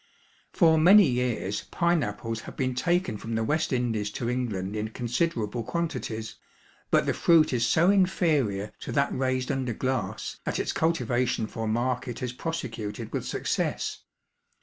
For many years pineapples have been taken from the West Indies to England in considerable quantities, but the fruit is so inferior to that raised under glass that its cultivation for market is prosecuted with success.